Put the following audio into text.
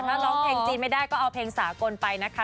ถ้าร้องเพลงจีนไม่ได้ก็เอาเพลงสากลไปนะคะ